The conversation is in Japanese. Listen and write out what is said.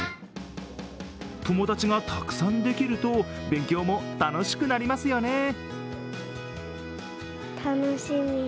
友達がたくさんできると勉強も楽しくなりますよね。